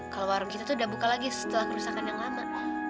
kalau warung kita tuh udah buka lagi setelah kerusakan yang lama